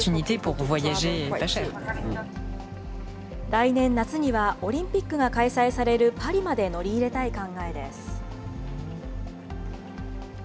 来年夏には、オリンピックが開催されるパリまで乗り入れたい考えです。